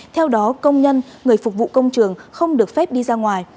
theo đó công nhân người phục vụ công trường không được phép đi ra ngoài